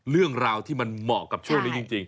เรื่องราวที่มันเหมาะกับช่วงนี้จริง